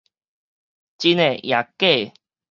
真的抑假的